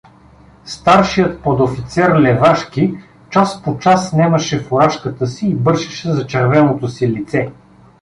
Старшият подофицер Левашки час по час снемаше фуражката си и бършеше зачервеното си лице.